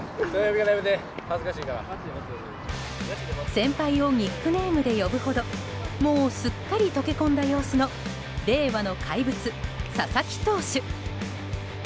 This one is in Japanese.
先輩をニックネームで呼ぶほどもうすっかり溶け込んだ様子の令和の怪物・佐々木投手。